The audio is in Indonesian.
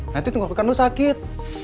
nanti tunggu tunggu kan lo sakit